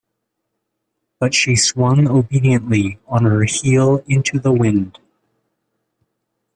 But she swung obediently on her heel into the wind.